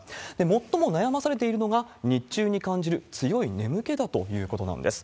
最も悩まされているのが、日中に感じる強い眠気だということなんです。